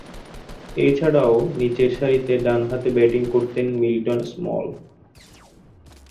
এছাড়াও, নিচেরসারিতে ডানহাতে ব্যাটিং করতেন মিল্টন স্মল।